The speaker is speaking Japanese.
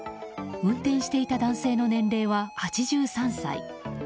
運転していた男性の年齢は８３歳。